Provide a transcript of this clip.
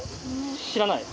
知らない？